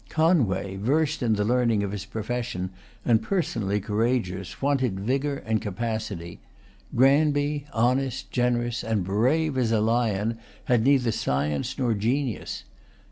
Conway, versed in the learning of his profession, and personally courageous, wanted vigour and capacity. Granby, honest, generous, and brave as a lion, had neither science nor genius.